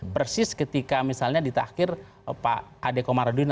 persis ketika misalnya di takdir pak adekomarudin